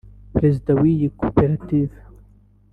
Perezida w’iyi koperative